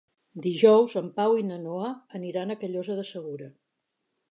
Dijous en Pau i na Noa aniran a Callosa de Segura.